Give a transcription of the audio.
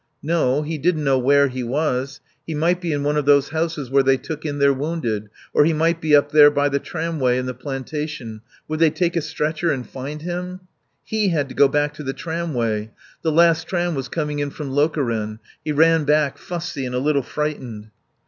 No, he didn't know where he was. He might be in one of those houses where they took in the wounded, or he might be up there by the tramway in the plantation. Would they take a stretcher and find him? He had to go back to the tramway. The last tram was coming in from Lokeren. He ran back, fussy and a little frightened.